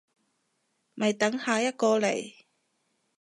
咪等下一個嚟